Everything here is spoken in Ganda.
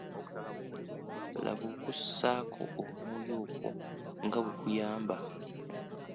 Laba okussako omwoyo okwo nga bwe kuyamba.